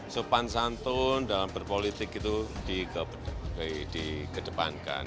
sopan santun dalam berpolitik itu dikedepankan